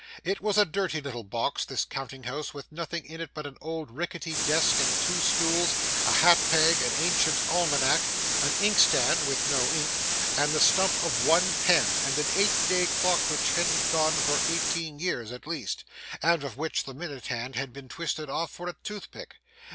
It was a dirty little box, this counting house, with nothing in it but an old ricketty desk and two stools, a hat peg, an ancient almanack, an inkstand with no ink, and the stump of one pen, and an eight day clock which hadn't gone for eighteen years at least, and of which the minute hand had been twisted off for a tooth pick.